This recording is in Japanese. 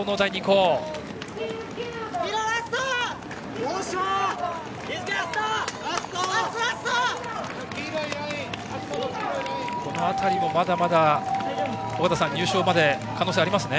尾方さん、この辺りもまだまだ入賞まで可能性ありますね。